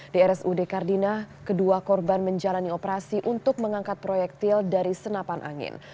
di rsud kardina kedua korban menjalani operasi untuk mengangkat proyektil dari senapan angin